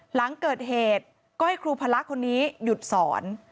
หลังเกิดเหตุก็ให้ครูพระคนนี้หยุดสอน